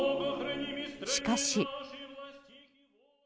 しかし。